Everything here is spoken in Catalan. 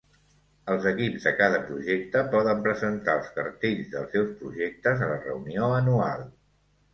Els equips de cada projecte poden presentar els cartells dels seus projectes a la reunió anual.